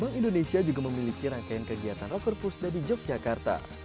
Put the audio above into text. bank indonesia juga memiliki rangkaian kegiatan rocker pusda di yogyakarta